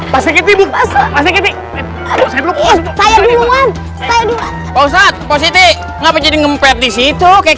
pasangin pasangin saya duluan saya duluan posisi ngapa jadi ngumpet di situ kayak